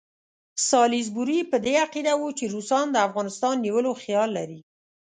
سالیزبوري په دې عقیده وو چې روسان د افغانستان نیولو خیال لري.